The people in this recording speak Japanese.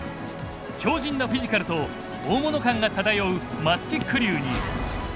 強じんなフィジカルと大物感が漂う松木玖生に。